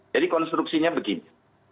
jadi konstruksinya begini